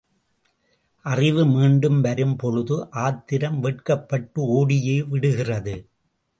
அறிவு மீண்டும் வரும் பொழுது ஆத்திரம் வெட்கப்பட்டு ஓடியே விடுகிறது.